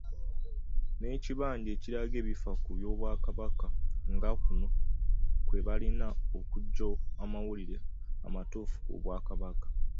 N’ekibanja ekiraga ebifa ku Bwakabaka nga kuno kwe balina okuggya amawulire amatuufu ku Bwakabaka.